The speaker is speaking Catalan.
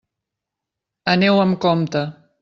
Aneu amb compte.